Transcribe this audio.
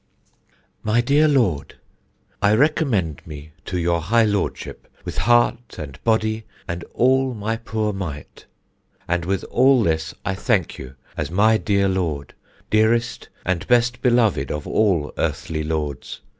My dear Lord, I recommend me to your high Lordship, with heart and body and all my poor might. And with all this I thank you as my dear Lord, dearest and best beloved of all earthly lords.